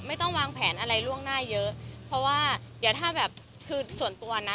ไม่ต้องวางแผนอะไรล่วงหน้าเยอะเพราะว่าเดี๋ยวถ้าแบบคือส่วนตัวนะ